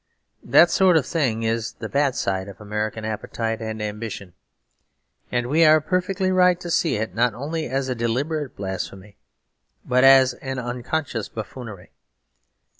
That sort of thing is the bad side of American appetite and ambition; and we are perfectly right to see it not only as a deliberate blasphemy but as an unconscious buffoonery.